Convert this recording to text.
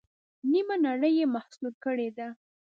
نیمه نړۍ یې مسحور کړې ده.